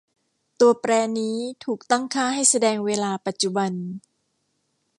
ตัวแปรนี้ถูกตั้งค่าให้แสดงเวลาปัจจุบัน